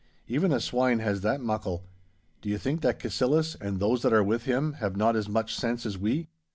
Even a swine has that muckle. Do you think that Cassillis, and those that are with him, have not as much sense as we?